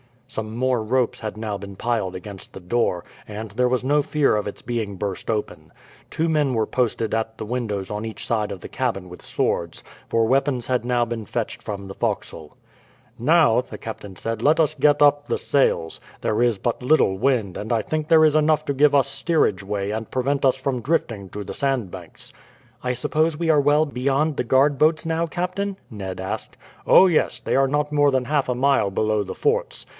Some more ropes had now been piled against the door, and there was no fear of its being burst open. Two men were posted at the windows on each side of the cabin with swords, for weapons had now been fetched from the forecastle. "Now," the captain said, "let us get up the sails. There is but little wind, but I think there is enough to give us steerage way and prevent us from drifting on to the sandbanks." "I suppose we are well beyond the guard boats now, captain?" Ned asked. "Oh, yes; they are not more than half a mile below the forts.